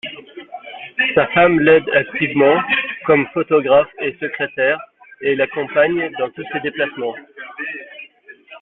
Sa femme l'aide activement comme photographe et secrétaire, et l'accompagne dans tous ses déplacements.